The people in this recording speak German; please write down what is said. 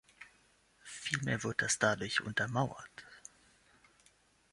Vielmehr wird das dadurch untermauert.